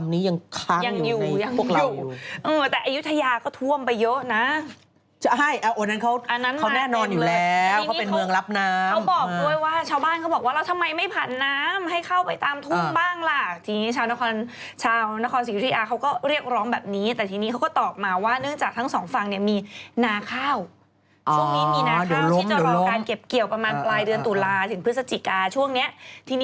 นี่หน้าหนึ่งเลยลูกสาวฉันก็ไปโดนนางกะเทยอายุ๑๙นะฮะปลอมไอจี